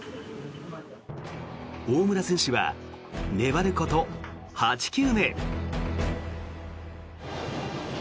大村選手は、粘ること８球目。